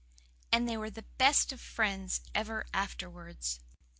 And they were the best of friends ever afterwards."